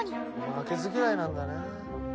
負けず嫌いなんだね。